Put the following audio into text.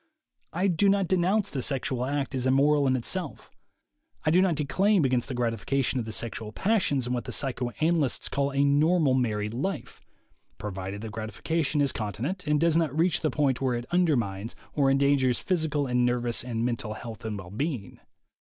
I do not denounce the sexual act as immoral in itself. I do not declaim against the gratification of the sexual passions in what the psychoanalysts call a "normal married life," provided that grati fication is continent, and does not reach the point where it undermines or endangers physical and nervous and mental health and well being.